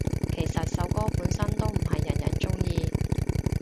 其實首歌本身都唔係人人鍾意